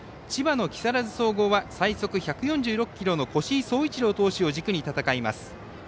千葉の木更津総合は最速１４６キロの越井颯一郎投手を軸に戦います。